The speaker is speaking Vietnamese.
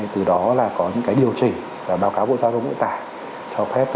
từ đó là có những điều chỉnh báo cáo bộ giao đồng bộ tài cho phép